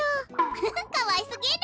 フフかわいすぎる！